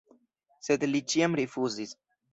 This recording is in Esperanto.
Sed li ĉiam rifuzis.